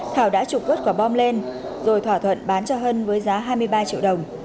thảo đã trục vớt quả bom lên rồi thỏa thuận bán cho hân với giá hai mươi ba triệu đồng